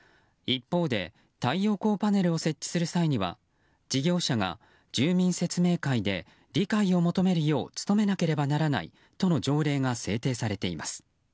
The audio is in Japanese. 一方で、太陽光パネルを設置する際には事業者が住民説明会で理解を求めるよう努めなければならないとの条例が制定されています。